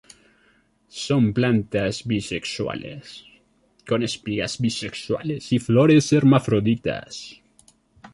Son plantas bisexuales, con espigas bisexuales y flores hermafroditas.